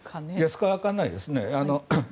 そこはわからないですね。